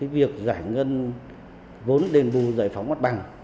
vốn đền bù giải phóng mặt bằng